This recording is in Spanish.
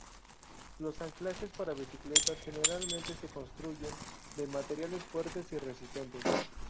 Los anclajes para bicicletas generalmente se construyen de materiales fuertes y resistentes.